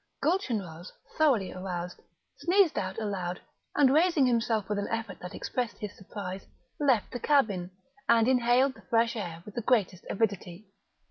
Gulchenrouz, thoroughly aroused, sneezed out aloud, and raising himself with an effort that expressed his surprise, left the cabin, and inhaled the fresh air with the greatest avidity.